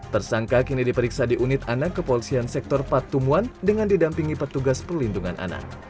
tersangka kini diperiksa di unit anak kepolisian sektor patumuan dengan didampingi petugas perlindungan anak